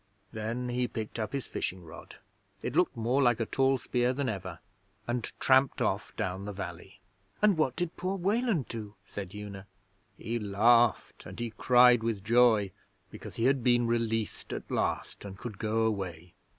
Then he picked up his fishing rod it looked more like a tall spear than ever and tramped off down your valley.' 'And what did poor Weland do?' said Una. 'He laughed and he cried with joy, because he had been released at last, and could go away.